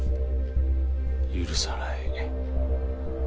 許さない。